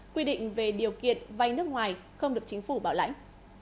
quy định về điều kiện vay nước ngoài không được chính phủ bảo lãnh